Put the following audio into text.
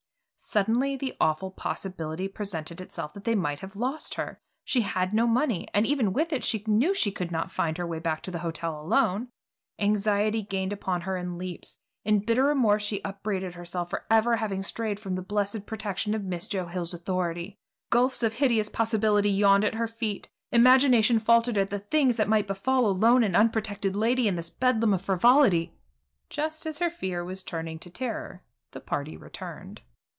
Suddenly the awful possibility presented itself that they might have lost her. She had no money, and even with it, she knew she could not find her way back to the hotel alone. Anxiety gained upon her in leaps. In bitter remorse she upbraided herself for ever having strayed from the blessed protection of Miss Joe Hill's authority. Gulfs of hideous possibility yawned at her feet; imagination faltered at the things that might befall a lone and unprotected lady in this bedlam of frivolity. Just as her fear was turning to terror the party returned.